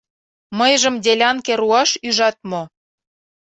Мыйжым делянке руаш ӱжат мо?